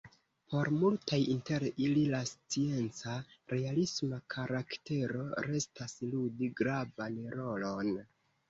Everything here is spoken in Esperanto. Por multaj inter ili la scienca, "realisma" karaktero restas ludi gravan rolon.